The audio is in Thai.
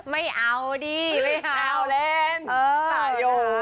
ไม่เอาดิไม่เอาเล่นตายอยู่